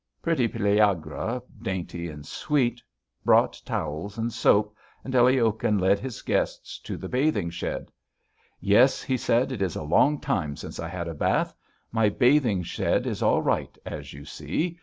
Pretty Pelagueya, dainty and sweet, brought towels and soap, and Aliokhin led his guests to the bathing shed. "Yes," he said, "it is a long time since I had a bath. My bathing shed is all right, as you see.